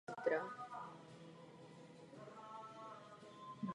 Po výměně vrchnosti došlo k postupné rekatolizaci.